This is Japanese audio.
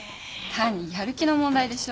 単にやる気の問題でしょ。